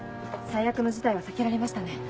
最悪の事態は避けられましたね。